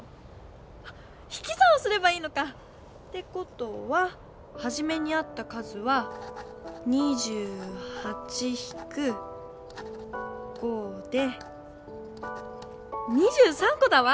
あっひきざんをすればいいのか。ってことははじめにあった数は２８ひく５で２３こだわ！